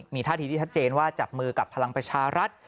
มีท่าทีที่ชัดเจนว่าจับมือกับพลังประชารัฐ